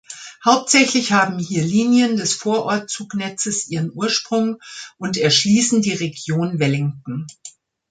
Hauptsächlich haben hier Linien des Vorortzug-Netzes ihren Ursprung und erschließen die Region Wellington.